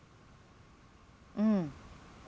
อืม